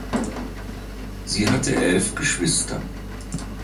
Sie hatte elf Geschwister.